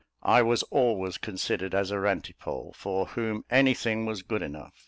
I was always considered as a rantipole, for whom any thing was good enough.